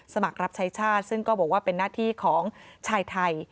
รับใช้ชาติซึ่งก็บอกว่าเป็นหน้าที่ของชายไทย